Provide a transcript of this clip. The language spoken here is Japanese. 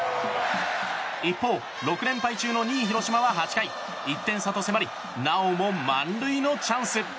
一方、６連敗中の２位、広島は８回、１点差に迫りなおも満塁のチャンス。